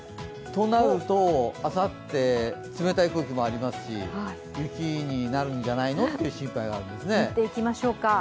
となると、あさって、冷たい空気もありますし、雪になるんじゃないのという心配があるんですね。